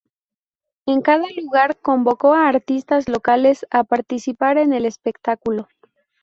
En cada lugar convocó a artistas locales a participar en el espectáculo.